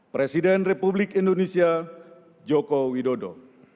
presiden republik indonesia joko widodo